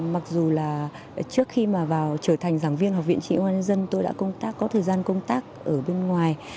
mặc dù là trước khi mà vào trở thành giảng viên học viện chính trị công an nhân dân tôi đã có thời gian công tác ở bên ngoài